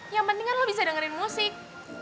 yang penting kan lo bisa dengerin musik